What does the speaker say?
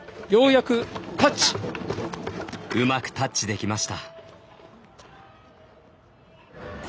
うまくタッチできました。